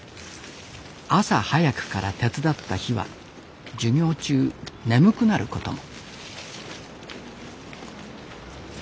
朝早くから手伝った日は授業中眠くなることも。